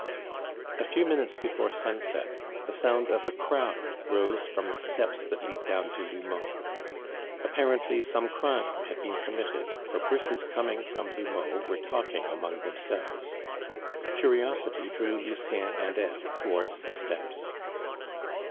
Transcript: A few minutes before sunset, the sound of a crowd rose from the steps that lead down to L'Houmeau. Apparently some crime had been committed, for persons coming from L'Houmeau were talking among themselves. Curiosity drew Lucien and Eve towards the steps.